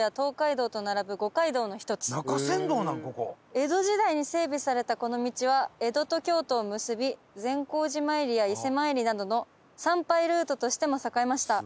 「江戸時代に整備されたこの道は江戸と京都を結び善光寺参りや伊勢参りなどの参拝ルートとしても栄えました」